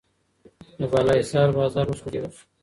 د بالاحصار بازار وسوځول شو.